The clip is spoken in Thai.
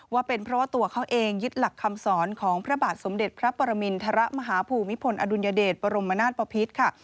ว่าเป็นเพราะว่าตัวเขาเองยึดหลักคำสอนของพระบาทสมเด็จพระปรมินทรมาฮภูมิพลอดุลยเดชบรมนาศปภิษค่ะ